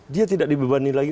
dia tidak dibebani lagi